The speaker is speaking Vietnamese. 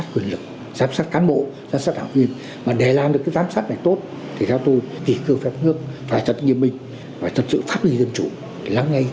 quyết định táo bạo của